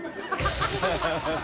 ハハハハハ！